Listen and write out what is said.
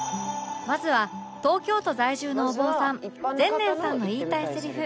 まずは東京都在住のお坊さん善念さんの言いたいセリフ